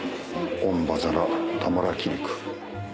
オンバザラタラマキリク。